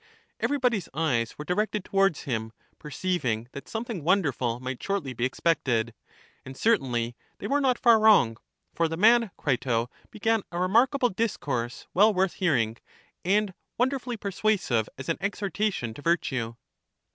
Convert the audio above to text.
Everybody's eyes were directed towards him, perceiving that something wonderful might shortly be expected. And certainly they were not far wrong; for the man, Crito, began a remarkable dis course well worth hearing, and wonderfully persua sive as an exhortation to virtue.